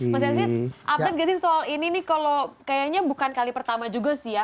mas yazid update gak sih soal ini nih kalau kayaknya bukan kali pertama juga sih ya